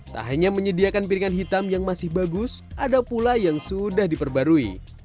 tak hanya menyediakan piringan hitam yang masih bagus ada pula yang sudah diperbarui